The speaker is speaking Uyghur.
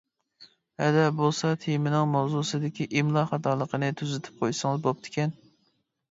ھەدە، بولسا تېمىنىڭ ماۋزۇسىدىكى ئىملا خاتالىقىنى تۈزىتىپ قويسىڭىز بوپتىكەن.